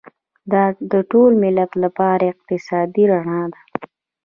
دا د ټول ملت لپاره اقتصادي رڼا ده.